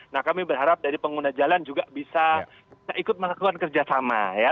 nah kami berharap dari pengguna jalan juga bisa ikut melakukan kerjasama ya